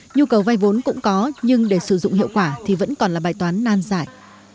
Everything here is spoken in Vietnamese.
nhu cầu vay vốn cũng có nhưng để sử dụng hiệu quả thì vẫn còn là bài toán nan giải